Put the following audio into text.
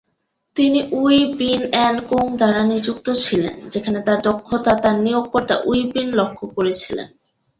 তিনি উই বিন অ্যান্ড কোং দ্বারা নিযুক্ত ছিলেন, যেখানে তার দক্ষতা তার নিয়োগকর্তা উই বিন লক্ষ্য করেছিলেন।